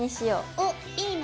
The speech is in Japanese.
おっいいね。